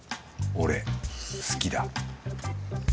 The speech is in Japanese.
俺好きだ。